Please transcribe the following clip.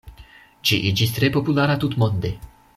Ĝi iĝis tre populara tutmonde.